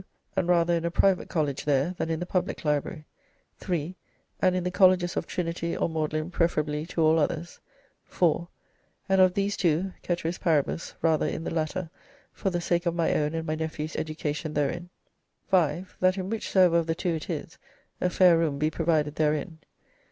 And rather in a private college there, than in the public library. "3. And in the colleges of Trinity or Magdalen preferably to all others. "4. And of these too, 'caeteris paribus', rather in the latter, for the sake of my own and my nephew's education therein. "5. That in which soever of the two it is, a fair roome be provided therein.